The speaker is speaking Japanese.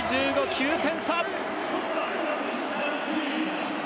９点差。